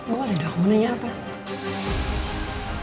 boleh dong menanyakan